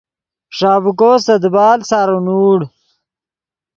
ݰابیکو سے دیبال سارو نیغوڑ